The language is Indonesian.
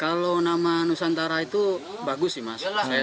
kalau nama nusantara itu bagus sih mas